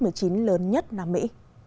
nó là nơi lớn nhất nam mỹ